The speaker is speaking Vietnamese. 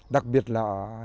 đặc biệt là